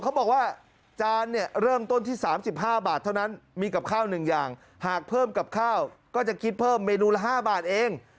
เขาบอกว่าจานเนี่ยเริ่มต้นที่๓๕บาทเท่านั้นมีกับข้าว๑อย่างหากเพิ่มกับข้าวก็จะคิดเพิ่มเมนูละ๕บาทเอง